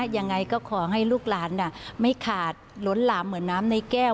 ยังไงก็ขอให้ลูกหลานไม่ขาดล้นหลามเหมือนน้ำในแก้ว